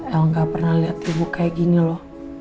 el gak pernah liat ibu kayak gini loh